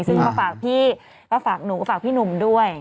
ซึ่งมาฝากพี่ก็ฝากหนูฝากพี่หนุ่มด้วย